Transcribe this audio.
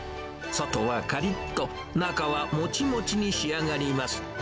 外はかりっと、中はもちもちに仕上がります。